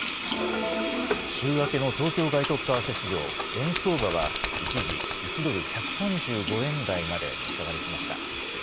週明けの東京外国為替市場、円相場は一時、１ドル１３５円台まで値下がりしました。